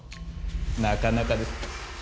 なかなかです。